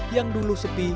yang dulu sepi